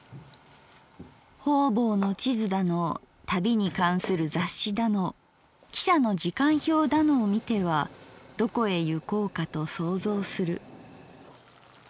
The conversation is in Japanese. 方々の地図だの旅に関する雑誌だの汽車の時間表だのをみてはどこへゆこうかと想像する」。